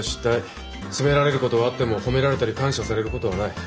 責められることはあっても褒められたり感謝されることはない。